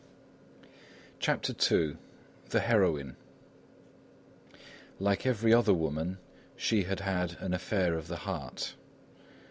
CHAPTER II THE HEROINE Like every other woman, she had had an affair of the heart.